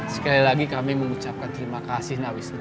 sekali lagi kami mengucapkan terima kasih